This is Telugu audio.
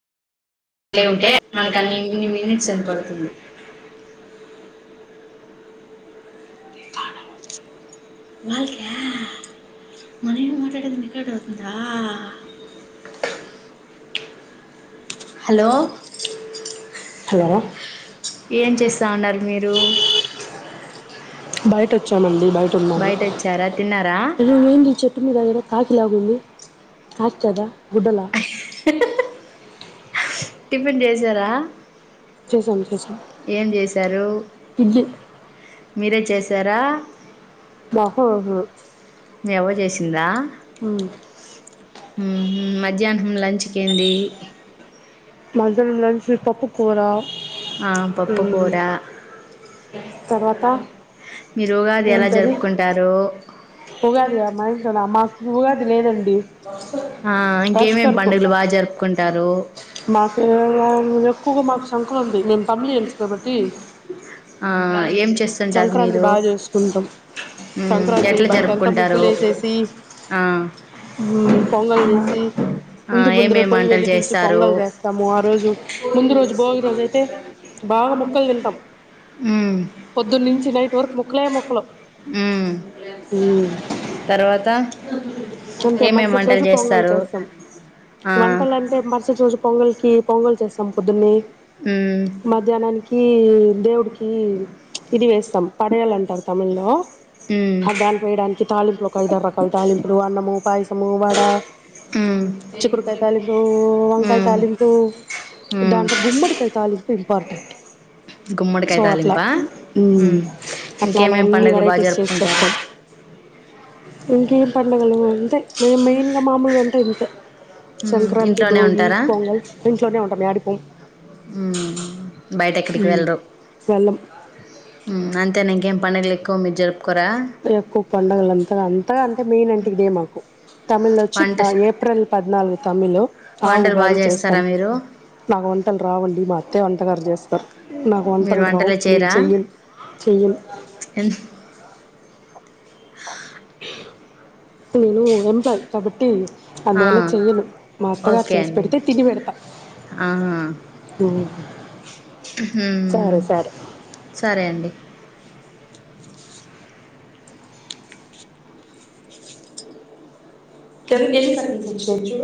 అట్లే ఉంటే మనకు అన్ని అన్నిన్ని ఇన్ఫ్లుయెన్స్ మినిట్స్ అయిపోతుంది పడుతుంది పాడవు వాళ్ళకే మనేం మాట్లాడేది రికార్డ్ అవుతుందా హలో హలో ఏం చేస్తాన్నారు మీరు బయట వచ్చామండి బయట ఉన్నాము వచ్చారా తిన్నారా ఏంది చెప్పి మీ ఏదో కాయ్ ఎట్లాగుంది ఆచద గుడ్డల టిఫిన్ చేసారా చేసాం చేసాం ఏం చేశారు ఇడ్లీ మీరే చేస్ చేశార ఆహా ఆహా మీ అవ్వ చేసిందా ఉమ్ ‌హు హు మధ్యాహ్నం లంచ్కి ఏంది మధ్యాహ్నం లంచ్ పప్పు కూర ఆ పప్పు ఉమ్ కూర తర్వాత మీరు ఉగాది ఎలా ఏంటది జరుపుకుంటారు ఉగాది మా ఇంట్లోనా మాకు ఉగాది లేదండి ఆ ఇంకేమి పండుగలు బాగా జరుపుకుంటారు మా [unintelligible] ఎక్కువగా మాకు సంక్రాంతి మేము తమిలియన్స్ కాబట్టీ ఆ, ఏం చేస్తుంటారు సంక్రాంతి మీరు బాగా చేసుకుంటాం మ్మ్, సంక్రాంతి ఎట్లా బయట అంతా జరుపుకుంటారు ముగ్గులు వేసేసి ఆ. ఉ పొంగల్ చేసి ఆ ఇంటి ముందర ఏమేమి పోయి వంటలు వెలిగించి పొంగల్ చేస్తాము ఆ రోజు ఉ ముందు రోజు భోగి రోజు అయితే బాగా ముక్కలు తింటాం ఉ పొద్దున్న నుంచి నైట్ వరకు ముక్కలే ముక్కలు తర్వాత అంటే ఏమేమి మరుసటి వంటలు రోజు పొంగల్ చేస్తారు చేస్తాం ఆ, వంటలు అంటే మరుసటి రోజు పొంగలికి పొంగలు చేస్తాం పొద్దునే మ్మ్, మధ్యాహ్నానికి దేవుడికి ఇది వేస్తాం పడయాలంటారు తమిళ్ లో మ్మ్, అ దానికి వేయడానికి తాలింపులు ఒక ఐదు ఆరు రకాలతో తాలింపులు, అన్నము, పాయసము, వడ మ్మ్, చిక్కుడు కాయ తాలింపు వంకాయ మ్మ్, తాలింపు మ్మ్. దాంట్లో గుమ్మడికాయ తాలింపు ఇంపార్టెంట్ గుమ్మడి కాయ తాలింప ఉ అట్లా అలాన్ని పండుగలు బాగా వేరైటీస్ చేసి జరుపుకుంటారు చేత్తం ఇంకేం పండుగలు అంతే మేం మెయిన్ గా మామూలుగా అంటే ఇంతే మ్మ్, సంక్రాంతి ఇంట్లోనే భోగి ఉంటారా పొంగల్ ఇంట్లోనే ఉంటాం ఆడికిపొమ్ ఊ బయట ఎక్కడికి వెళ్ళరు వెళ్ళం ఊ అంతేనా ఇంకేం పండగలు ఎక్కువ జరుపు ఎక్కువ పండుగలు అంత అంత అంటే మెయిన్ అంటే ఇదే మాకు తమిళ్ వచ్చి వంట త ఏప్రిల్ పద్నాలుగు తమిళ్ ఆ వంటలు బాగా ఉగాది చేస్తారా చేస్తాం మీరు నాకు వంటలు రావండి మా అత్తే వంటకారు చేస్ నాకు మీరు వంటలు రావు వంటలే నేను చేయరా చెయ్యన్ చెయ్యన్ ఎన్- నేను ఎంప్లాయ్ కాబట్టి అందువల్ల ఆ, చెయ్యను మా అత్తగారు చేసి పెడితే తిని పెడతా ఆహ ఊహు సరే సరే సరే అండి తేను ఎన్ని సపిల్స్ వచ్చాయ్